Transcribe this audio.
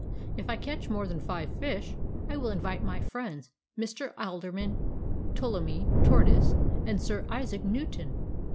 "If I catch more than five fish, I will invite my friends Mr. Alderman Ptolemy Tortoise and Sir Isaac Newton.